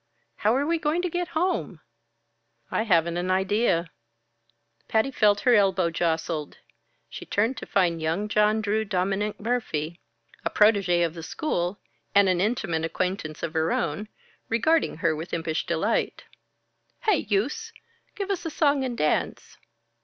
"How are we going to get home?" "I haven't an idea." Patty felt her elbow jostled. She turned to find young John Drew Dominick Murphy, a protégé of the school, and an intimate acquaintance of her own, regarding her with impish delight. "Hey, youse! Give us a song and dance."